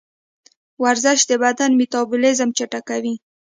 ورزش د بدن میتابولیزم چټکوي.